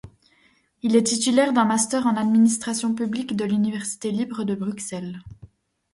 Il est titulaire d'un Master en Administration publique de l'Université libre de Bruxelles.